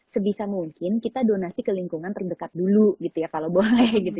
sebisa mungkin kita donasi ke lingkungan terdekat dulu gitu ya kalau boleh gitu